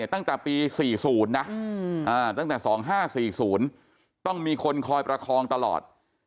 ตั้งแต่ปี๔๐นะตั้งแต่๒๕๔๐ต้องมีคนคอยประคองตลอด